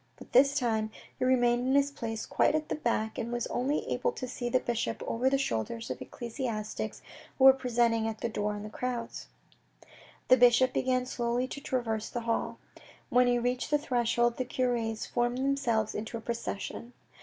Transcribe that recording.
But this time he remained in his place quite at the back, and was only able to see the bishop over the shoulders of ecclesiastics who were pressing at the door in crowds. The bishop began slowly to traverse the hall. When he reached the threshold, the cures formed themselves into a procession.